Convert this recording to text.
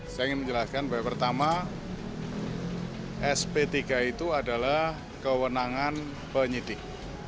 saya ingin menjelaskan bahwa pertama sp tiga itu adalah kewenangan penyidik